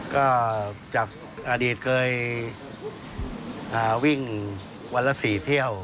ก็จากอดีตเคยวิ่งวันละ๔เที่ยว